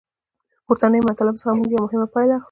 له پورتنیو مطالبو څخه موږ یوه مهمه پایله اخلو.